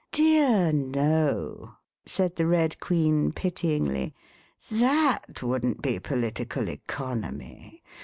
"Dear, no," said the Red Queen pityingly, '^ that wouldn't be Political Economy.